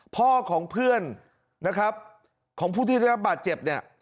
พ่อของเพื่อนนะครับของผู้ที่ได้รับบาดเจ็บเนี่ย